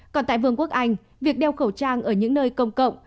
còn tại vương quốc anh việc đeo khẩu trang ở những nơi công cộng